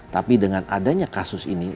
tapi dengan adanya kasus ini